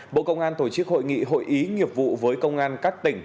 bộ công an tổ chức hội nghị hội ý nghiệp vụ với công an các tỉnh